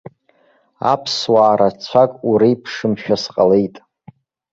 Аԥсуаа рацәак уреиԥшымшәа сҟалеит.